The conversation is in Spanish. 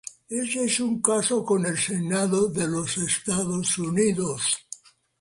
Este es un caso con el Senado de los Estados Unidos.